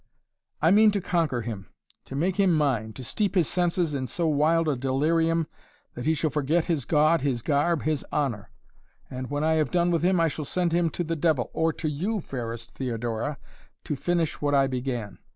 "I mean to conquer him to make him mine to steep his senses in so wild a delirium that he shall forget his God, his garb, his honor. And, when I have done with him, I shall send him to the devil or to you, fairest Theodora to finish, what I began.